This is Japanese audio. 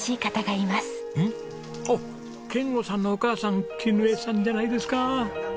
あっ賢吾さんのお母さんキヌヱさんじゃないですか。